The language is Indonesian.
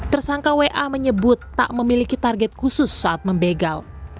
tersangka wa menyebut tak memiliki target khusus saat membegal